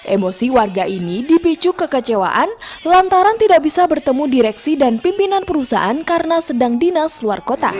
emosi warga ini dipicu kekecewaan lantaran tidak bisa bertemu direksi dan pimpinan perusahaan karena sedang dinas luar kota